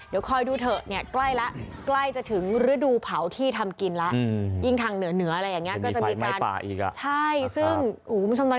เดี๋ยวคอยดูเถอะใกล้คะใกล้จะถึงฤดูเผาที่ทำกินแล้ว